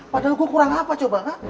padahal gue kurang apa coba kan